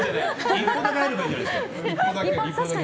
１歩だけ入ればいいじゃないですか。